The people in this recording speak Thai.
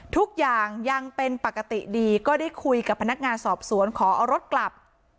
ทุกอย่างยังเป็นปกติดีก็ได้คุยกับพนักงานสอบสวนขอเอารถกลับ